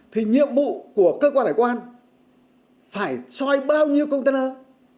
thì nhiệm vụ của cơ quan hải quan phải soi bao nhiêu container